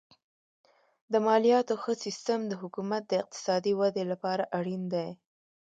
د مالیاتو ښه سیستم د حکومت د اقتصادي ودې لپاره اړین دی.